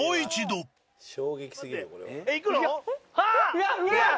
うわっうわっ！